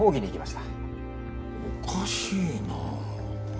おかしいな。